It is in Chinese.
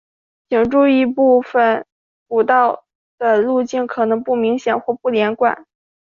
请注意部份古道的路径可能不明显或不连贯。